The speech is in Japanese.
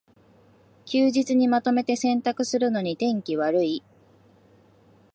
休日にまとめて洗濯するのに天気悪い